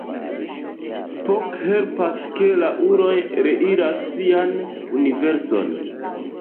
Spock helpas ke la uloj reiras sian universon.